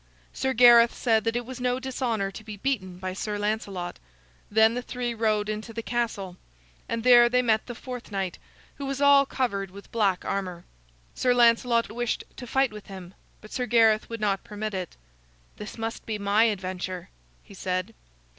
Sir Gareth said that it was no dishonor to be beaten by Sir Lancelot. Then the three rode into the castle, and there they met the fourth knight, who was all covered with black armor. Sir Lancelot wished to fight with him, but Sir Gareth would not permit it. "This must be my adventure," he said.